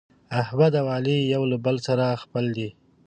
احمد او علي یو له بل سره خپل دي.